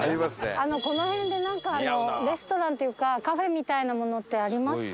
あのこの辺でなんかレストランというかカフェみたいなものってありますか？